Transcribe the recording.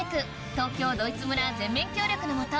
東京ドイツ村全面協力のもと